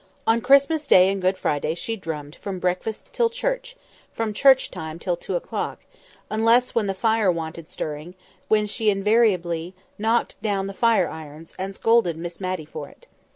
On Christmas Day and Good Friday she drummed from breakfast till church, from church time till two o'clock—unless when the fire wanted stirring, when she invariably knocked down the fire irons, and scolded Miss Matty for it.